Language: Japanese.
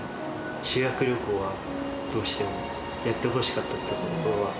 修学旅行はどうしてもやってほしかったところは。